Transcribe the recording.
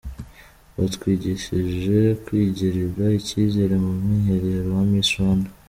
batwigishije kwigirira icyizere mu mwiherero wa Miss Rwanda.